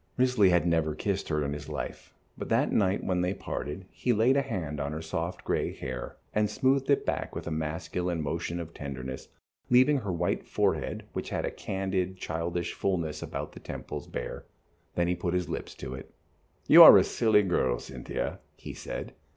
Risley had never kissed her in his life, but that night, when they parted, he laid a hand on her soft, gray hair, and smoothed it back with a masculine motion of tenderness, leaving her white forehead, which had a candid, childish fulness about the temples, bare. Then he put his lips to it. "You are a silly girl, Cynthia," he said.